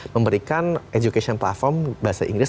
memberikan education platform bahasa inggris